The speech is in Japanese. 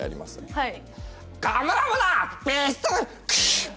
はい。